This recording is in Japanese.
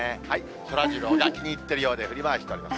そらジローが気に入ってるようで、振り回しております。